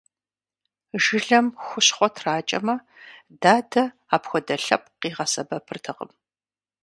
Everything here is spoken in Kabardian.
Жылэм хущхъуэ тракӀэмэ, дадэ апхуэдэ лъэпкъ къигъэсэбэпыртэкъым.